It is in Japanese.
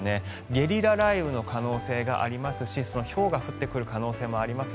ゲリラ雷雨の可能性がありますしひょうが降ってくる可能性もあります。